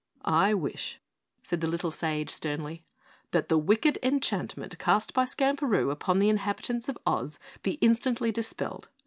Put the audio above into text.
"I wish," said the little sage sternly, "that the wicked enchantment cast by Skamperoo upon the inhabitants of Oz be instantly dispelled.